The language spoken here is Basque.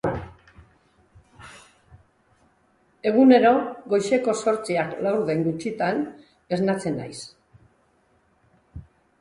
Egunero goizeko zortziak laurden gutxitan esnatzen naiz.